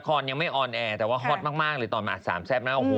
ก็ไปเจอกันสัน๒วันแล้วพามันน่าเก่ง